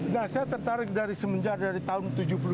nah saya tertarik semenjak tahun seribu sembilan ratus tujuh puluh dua